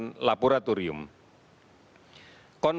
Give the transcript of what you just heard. dua dua juta pelaku apa again